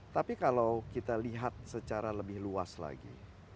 tapi kalau kita lihat secara lebih luas lagi